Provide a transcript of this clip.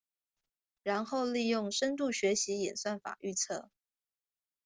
然後利用深度學習演算法預測